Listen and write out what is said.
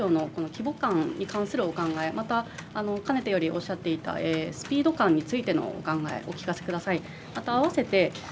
現時点で、政調会長のこの規模感に関するお考え、またかねてよりおっしゃっていたスピード感についてのお考えをお聞かせください。